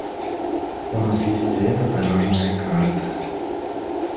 У нас есть эта дорожная карта.